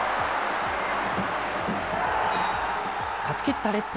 勝ちきったレッズ。